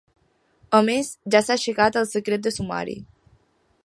A més ja s’ha aixecat el secret de sumari.